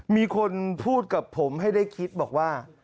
มีคนพูดกับผมให้ได้คิดบอกว่า